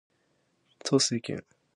統帥権